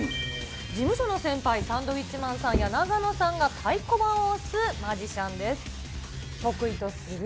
事務所の先輩、サンドウィッチマンさんや永野さんが太鼓判を押すマジシャンです。